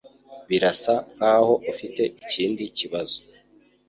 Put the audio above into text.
Birasa nkaho ufite ikindi kibazo